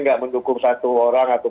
nggak mendukung satu orang atau